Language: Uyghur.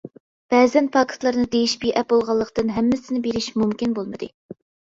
بەزەن پاكىتلارنى دېيىش بىئەپ بولغانلىقتىن ھەممىسىنى بېرىش مۇمكىن بولمىدى.